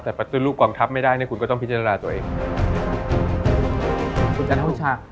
แต่ประตูลูกกองทัพไม่ได้คุณก็ต้องพิจารณาตัวเอง